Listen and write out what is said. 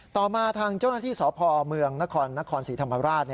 ต่อมาทางเจ้าหน้าที่สพเมืองนครนครศรีธรรมราช